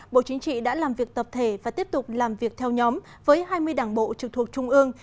bộ chính trị đã làm việc tập thể và tiếp tục làm việc theo nhóm với hai mươi đảng bộ trực thuộc trung ương